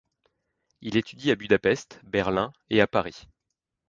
Il étudie à Budapest, Berlin et à Paris.